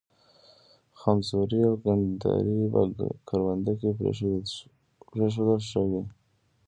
خمزوري او گنډري په کرونده کې پرېښودل ښه وي.